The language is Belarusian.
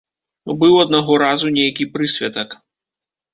Быў аднаго разу нейкі прысвятак.